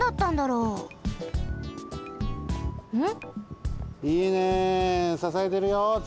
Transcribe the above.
うん。